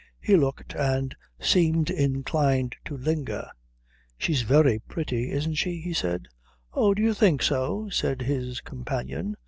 He looked, and seemed inclined to linger. "She's very pretty, isn't she?" he said. "Oh, do you think so?" said his companion.